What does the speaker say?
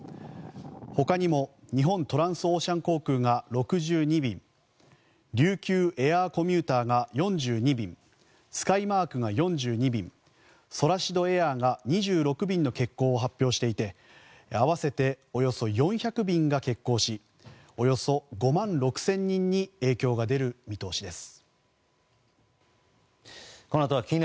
他にも日本トランスオーシャン航空が６２便琉球エアーコミューターが４２便スカイマークが４２便ソラシドエアが２６便の欠航を発表していて合わせておよそ４００便が欠航しおよそ５万６０００人に影響が出る見通しです。